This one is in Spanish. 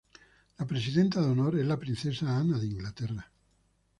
La presidenta de honor es la Princesa Ana de Inglaterra.